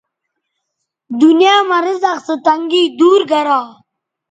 دنیاں مہ رزق سو تنگی دور گرا